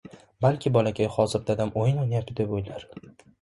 Balki bolakay hozir dadam ham oʻyin oʻynayapti deb oʻylar...